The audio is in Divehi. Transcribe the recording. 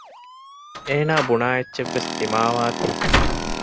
އޭނާ އެބުނާ އެއްޗެއް ވެސް ދިމާވާ ތީ